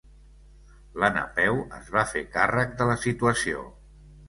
La Napeu es va fer càrrec de la situació.